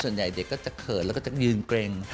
ส่วนใหญ่เด็กก็จะเขินแล้วก็ยืนเกร็ง